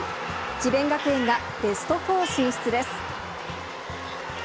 智辯学園がベスト４進出です。